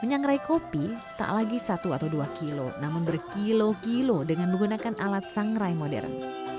menyangrai kopi tak lagi satu atau dua kilo namun berkilo kilo dengan menggunakan alat sangrai modern